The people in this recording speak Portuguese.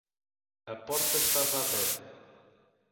A porta estava aberta.